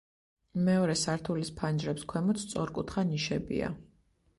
მეორე სართულის ფანჯრებს ქვემოთ სწორკუთხა ნიშებია.